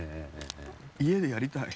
家でやりたい。